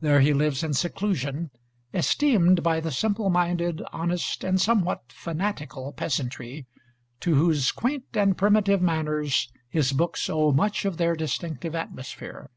There he lives in seclusion, esteemed by the simple minded, honest, and somewhat fanatical peasantry, to whose quaint and primitive manners his books owe much of their distinctive atmosphere.